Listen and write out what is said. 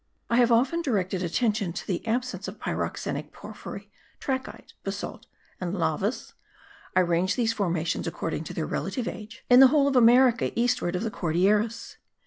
I have often directed attention to the absence of pyroxenic porphyry, trachyte, basalt and lavas (I range these formations according to their relative age) in the whole of America eastward of the Cordilleras.